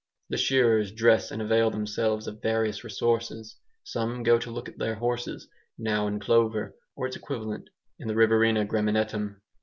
The shearers dress and avail themselves of various resources. Some go to look at their horses, now in clover, or its equivalent, in the Riverina graminetum.